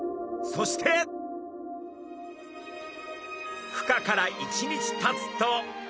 そしてふ化から１日たつと。